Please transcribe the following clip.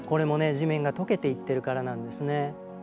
地面がとけていってるからなんですね。